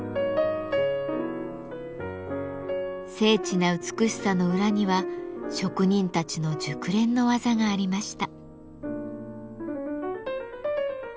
精緻な美しさの裏には職人たちの熟練の技がありました。